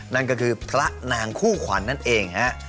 นั่นก็คือพระนางคู่ขวัญนั่นเองฮะ